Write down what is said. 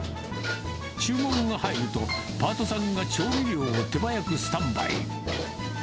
注文が入ると、パートさんが調味料を手早くスタンバイ。